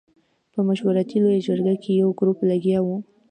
په مشورتي لویه جرګه کې یو ګروپ لګیا وو.